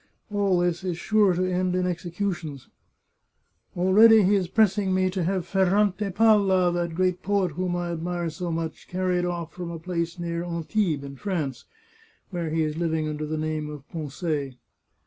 All this is sure to end in executions. Al ready he is pressing me to have Ferrante Palla, that great 452 The Chartreuse of Parma poet whom I admire so much, carried off from a place near Antibes, in France, where he is living under the name of Poncet."